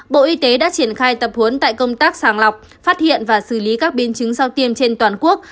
bộ y tế đã triển khai tập huấn tại công tác sàng lọc phát hiện và xử lý các biến chứng sau tiêm trên toàn quốc